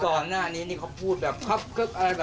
ก่อนหน้านี้นี่เขาพูดแบบแบบปกตินะ